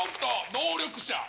「能力者」。